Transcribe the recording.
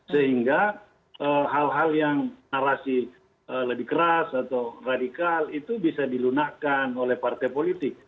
sehingga hal hal yang narasi lebih keras atau radikal itu bisa dilunakan oleh partai politik